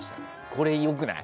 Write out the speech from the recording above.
これで良くない？